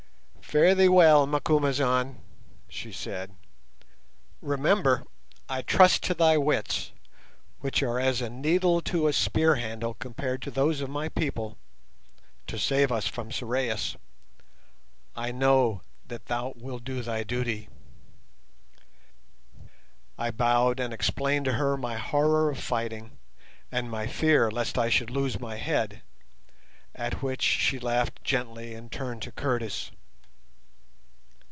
"Fare thee well, Macumazahn!" she said. "Remember, I trust to thy wits, which are as a needle to a spear handle compared to those of my people, to save us from Sorais. I know that thou wilt do thy duty." I bowed and explained to her my horror of fighting, and my fear lest I should lose my head, at which she laughed gently and turned to Curtis.